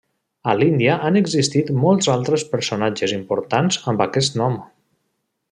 A l'Índia han existit molts altres personatges importants amb aquest nom.